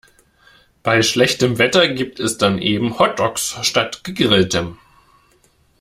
Bei schlechtem Wetter gibt es dann eben Hotdogs statt Gegrilltem.